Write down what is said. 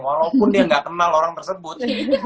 walaupun dia nggak kenal orang tersebut